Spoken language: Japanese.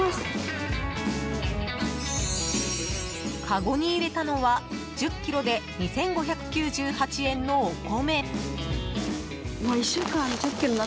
かごに入れたのは１０ｋｇで２５９８円のお米。